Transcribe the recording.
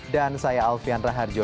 dan saya alfian raharjo